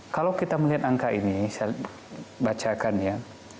kalau kita melihat angka ini saya bacakan ya